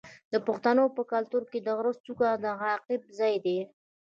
د پښتنو په کلتور کې د غره څوکه د عقاب ځای دی.